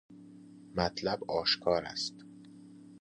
مطلب اشکاراست